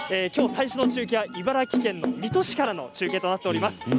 最初の中継は茨城県の水戸市からの中継となっています。